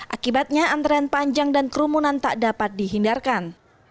akibatnya antrean panjang dan kerumunan tak dapat dihindarkan